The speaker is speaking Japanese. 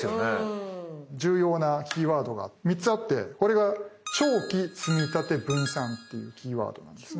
重要なキーワードが３つあってこれが長期積立分散っていうキーワードなんですね。